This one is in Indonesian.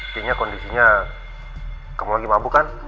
kayaknya kondisinya kamu lagi mabuk kan